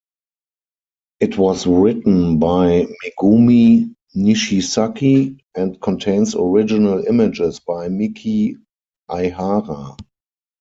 It was written by Megumi Nishizaki and contains original images by Miki Aihara.